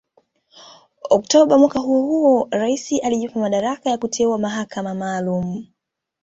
Oktoba mwaka huo huo rais alijipa madaraka ya kuteua mahakama maalumu